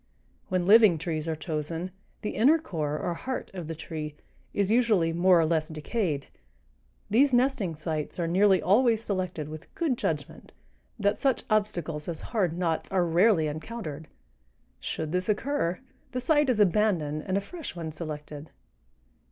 When living trees are chosen, the inner core, or heart of the tree, is usually more or less decayed. These nesting sites are nearly always selected with such good judgment that such obstacles as hard knots are rarely encountered; should this occur, the site is abandoned and a fresh one selected."